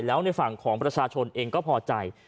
แล้วในฝั่งของประชาชนเองก็พอใจ